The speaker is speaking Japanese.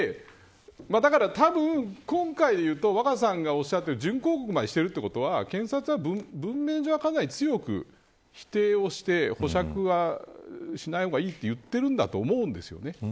だから、たぶん今回で言うと若狭さんがおっしゃっているとおり準抗告までしているということは検察は文面上はかなり強く否定をして保釈はしない方がいいと言ってるんだと思うんですよね。